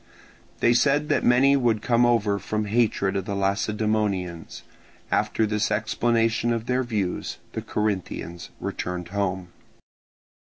They said that many would come over from hatred of the Lacedaemonians. After this explanation of their views, the Corinthians returned home.